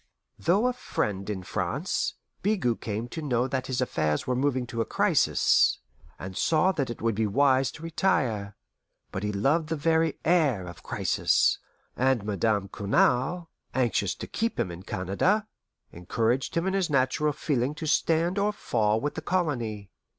Through a friend in France, Bigot came to know that his affairs were moving to a crisis, and saw that it would be wise to retire; but he loved the very air of crisis, and Madame Cournal, anxious to keep him in Canada, encouraged him in his natural feeling to stand or fall with the colony.